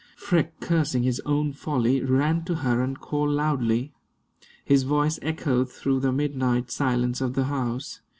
Freke, cursing his own folly, ran to her and called loudly. His voice echoed through the midnight silence of the house.